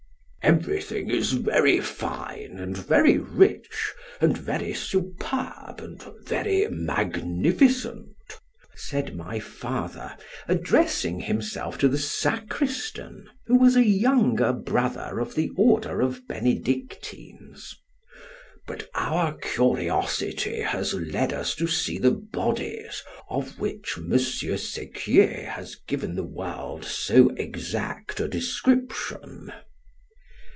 _ Every thing is very fine, and very rich, and very superb, and very magnificent, said my father, addressing himself to the sacristan, who was a younger brother of the order of Benedictines—but our curiosity has led us to see the bodies, of which Monsieur Sequier has given the world so exact a description.